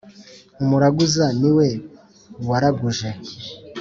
umuraguza ni we waraguje